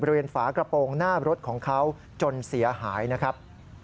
ฝากระโปรงหน้ารถของเขาจนเสียหายนะครับ